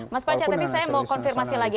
mas panca tapi saya mau konfirmasi lagi